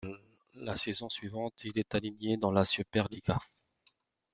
La saison suivante, il est aligné dans la Superliga.